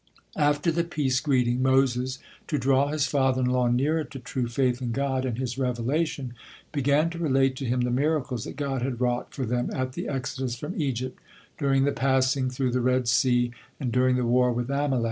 After the peace greeting, Moses, to draw his father in law nearer to true faith in God and His revelation, began to relate to him the miracles that God had wrought for them at the exodus from Egypt, during the passing through the Red Sea, and during the war with Amalek.